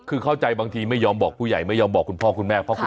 คือเข้าใจบางทีไม่ยอมบอกผู้ใหญ่ไม่ยอมบอกคุณพ่อคุณแม่